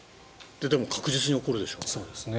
でも確実に起こるでしょうね。